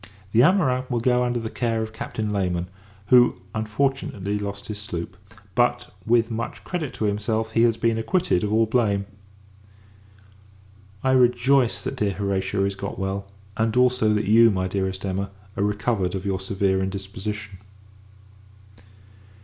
The amorins will go under the care of Captain Layman; who, unfortunately, lost his sloop: but, with much credit to himself, he has been acquitted of all blame. I rejoice that dear Horatia is got well; and, also, that you, my dearest Emma, are recovered of your severe indisposition.